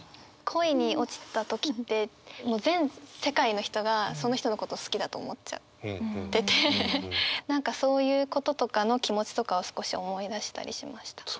恋に落ちた時ってもう全世界の人がその人のことを好きだと思っちゃってて何かそういうこととかの気持ちとかを少し思い出したりしました。